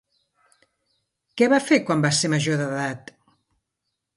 Què va fer quan va ser major d'edat?